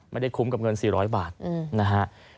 ไม่ได้คุ้มกับเงิน๔๐๐บาทนะฮะ